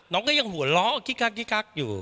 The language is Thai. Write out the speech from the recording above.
ก็ยังหัวเราะคิกกักอยู่